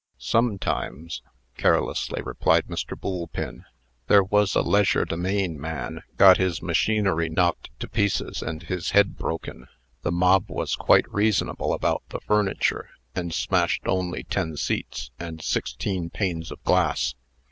"Sometimes," carelessly replied Mr. Boolpin. "There was a legerdemain man got his machinery knocked to pieces, and his head broken. The mob was quite reasonable about the furniture, and smashed only ten seats and sixteen panes of glass.